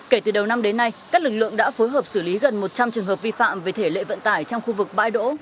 kể từ đầu năm đến nay các lực lượng đã phối hợp xử lý gần một trăm linh trường hợp vi phạm về thể lệ vận tải trong khu vực bãi đỗ